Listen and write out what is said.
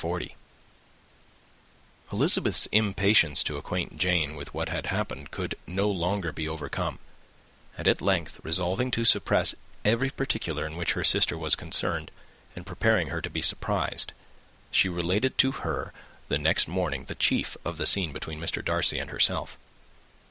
Elizabeth's impatience to acquaint Jane with what had happened could no longer be overcome; and at length resolving to suppress every particular in which her sister was concerned, and preparing her to be surprised, she related to her the next morning the chief of the scene between Mr. Darcy and herself.